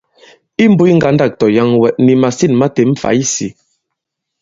Imbūs ŋgandâk tɔ̀yaŋwɛ, nì màsîn ma têm fày isī.